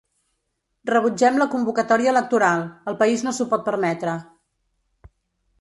Rebutgem la convocatòria electoral, el país no s’ho pot permetre.